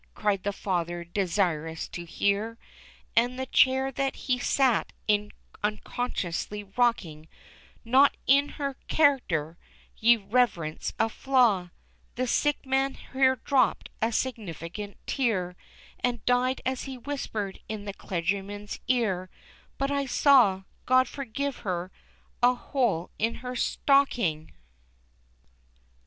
cried the Father desirous to hear And the chair that he sat in unconsciously rocking "Not in her 'karàcter,' yer Rev'rince, a flaw" The sick man here dropped a significant tear And died as he whispered in the clergyman's ear "But I saw, God forgive her, A HOLE IN HER STOCKING!"